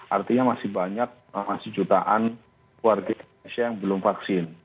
artinya masih banyak masih jutaan warga indonesia yang belum vaksin